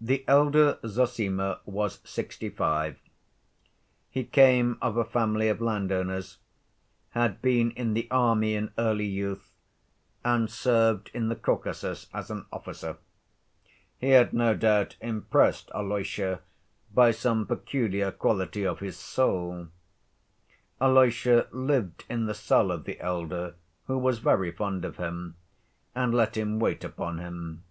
The elder Zossima was sixty‐five. He came of a family of landowners, had been in the army in early youth, and served in the Caucasus as an officer. He had, no doubt, impressed Alyosha by some peculiar quality of his soul. Alyosha lived in the cell of the elder, who was very fond of him and let him wait upon him.